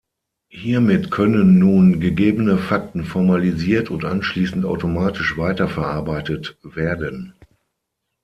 Hiermit können nun gegebene Fakten formalisiert und anschließend automatisch weiterverarbeitet werden.